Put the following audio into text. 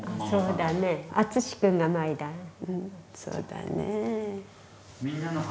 そうだね。